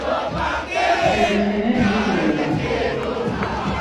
Hinek hene nîv mela ne